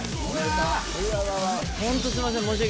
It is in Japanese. ホントすいません。